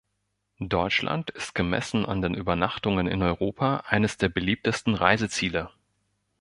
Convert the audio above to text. Deutschland ist gemessen an den Übernachtungen in Europa eines der beliebtesten Reiseziele.